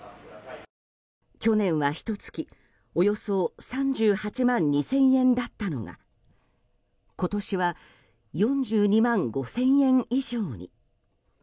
去年はひと月およそ３８万２０００円だったのが今年は４２万５０００円以上に。